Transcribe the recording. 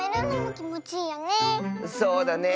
そうだね。